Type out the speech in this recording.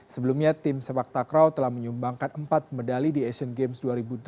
sebelumnya tim sepak takraw telah menyumbangkan empat medali di asian games dua ribu delapan belas